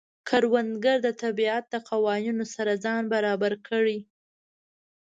کروندګر د طبیعت د قوانینو سره ځان برابر کړي